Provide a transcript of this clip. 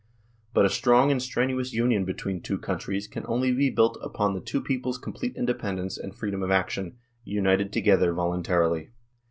But a strong and strenuous union between the two countries can only be built upon the two people's complete independence and freedom of action, united together voluntarily.